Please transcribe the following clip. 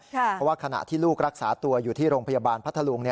เพราะว่าขณะที่ลูกรักษาตัวอยู่ที่โรงพยาบาลพัทธลุง